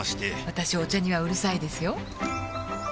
私お茶にはうるさいですよ